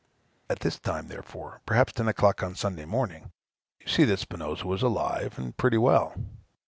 At this time, therefore, perhaps ten o'clock on Sunday morning, you see that Spinosa was alive, and pretty well.